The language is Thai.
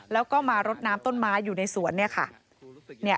แล้วก็มารดน้ำต้นไม้อยู่ในสวน